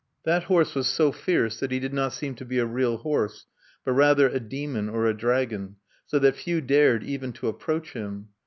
That horse was so fierce that he did not seem to be a real horse, but rather a demon or a dragon, so that few dared even to approach him.